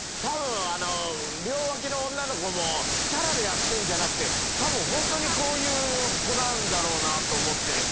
多分両脇の女の子もキャラでやってんじゃなくて多分ホントにこういう子なんだろうなと思って。